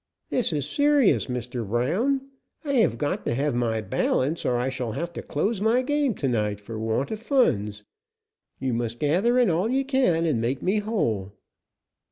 "This is serious, Mr. Brown. I have got to have my balance, or I shall have to close my game to night for want of funds. You must gather in all you can and make me whole."